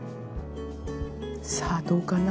さあどうかな？